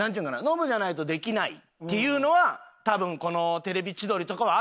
ノブじゃないとできないっていうのは多分この『テレビ千鳥』とかはあったかもしれんな。